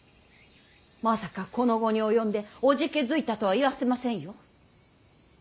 まさかこの期に及んでおじけづいたとは言わせませんよ。